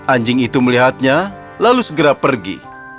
anjing itu melihatnya lalu segera pergi